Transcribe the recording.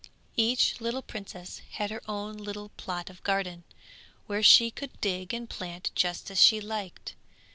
Each little princess had her own little plot of garden, where she could dig and plant just as she liked.